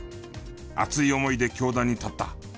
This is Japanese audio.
熱い思いで教壇に立った。